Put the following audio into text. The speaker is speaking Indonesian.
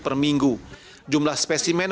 per minggu jumlah spesimen